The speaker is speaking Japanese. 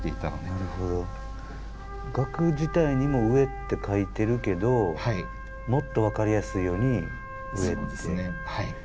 額自体にも「上」って書いてるけどもっと分かりやすいように「上」って。